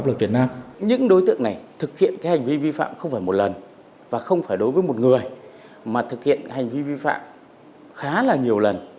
đối với những đối tượng này thực hiện hành vi vi phạm không phải một lần và không phải đối với một người mà thực hiện hành vi vi phạm khá là nhiều lần